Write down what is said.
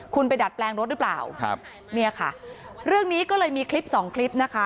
คุณไปดัดแปลงรถหรือเปล่าครับเนี่ยค่ะเรื่องนี้ก็เลยมีคลิปสองคลิปนะคะ